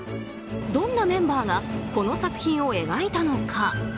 どんなメンバーがこの作品を描いたのか。